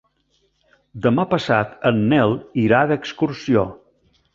Demà passat en Nel irà d'excursió.